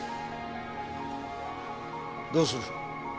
どうする？